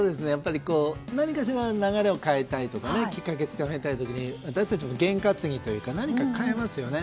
何かしら流れを変えたいとかきっかけをつかまえたい時に私たちも験担ぎというか何か変えますよね。